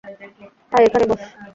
আয় এখানে বস।